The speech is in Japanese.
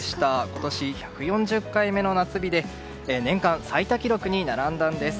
今年１４０回目の夏日で年間最多記録に並んだんです。